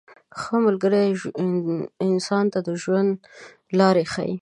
• ښه ملګری انسان ته د ژوند لاره ښیي.